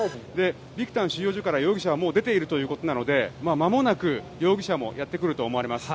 ビクタン収容所から容疑者はもう出ているということなのでまもなく容疑者もやってくると思われます。